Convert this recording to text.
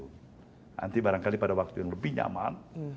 nanti barangkali pada waktu yang lebih nyaman